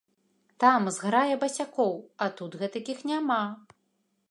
Там зграя басякоў, а тут гэтакіх няма.